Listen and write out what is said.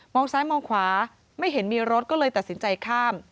ซ้ายมองขวาไม่เห็นมีรถก็เลยตัดสินใจข้าม